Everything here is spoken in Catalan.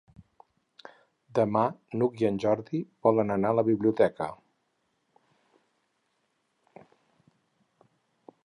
Demà n'Hug i en Jordi volen anar a la biblioteca.